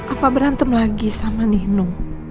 apa berantem lagi sama nino